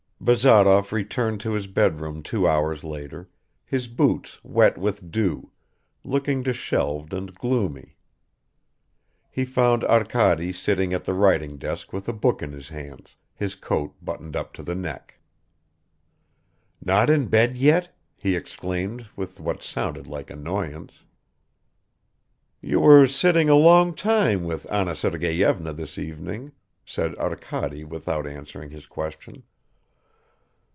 Bazarov returned to his bedroom two hours later, his boots wet with dew, looking disheveled and gloomy. He found Arkady sitting at the writing desk with a book in his hands, his coat buttoned up to the neck. "Not in bed yet?" he exclaimed with what sounded like annoyance. "You were sitting a long time with Anna Sergeyevna this evening," said Arkady without answering his question.